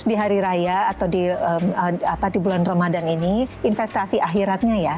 di hari raya atau di bulan ramadan ini investasi akhiratnya ya